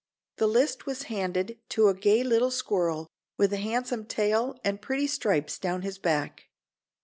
The list was handed to a gay little squirrel, with a handsome tail and pretty stripes down his back.